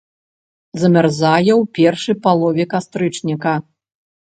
Замярзае ў першай палове кастрычніка.